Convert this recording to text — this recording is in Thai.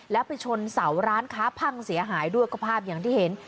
แล้วไปชนเสาร้านค้าพังเสียหายด้วยก็ภาพอย่างที่เห็น